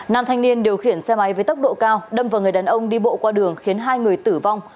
nam thanh niên điều khiển xe máy với tốc độ cao đâm vào người đàn ông đi bộ qua đường khiến hai người tử vong